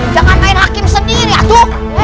jangan main hakim sendiri aduh